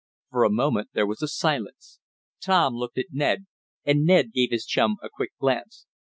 For a moment there was a silence. Tom looked at Ned, and Ned gave his chum a quick glance.